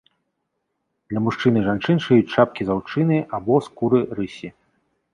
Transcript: Для мужчын і жанчын шыюць шапкі з аўчыны або скуры рысі.